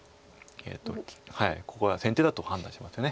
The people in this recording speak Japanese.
ここは先手だと判断しました。